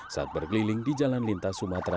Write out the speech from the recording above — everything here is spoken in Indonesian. saat berkeliling di jalan lintas sumatera